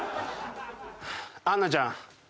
アンナちゃん